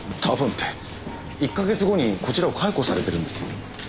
１か月後にこちらを解雇されてるんですよ。